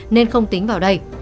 nên không tính vào đây